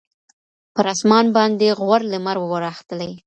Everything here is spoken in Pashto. پر اسمان باندي غوړ لمر وو راختلی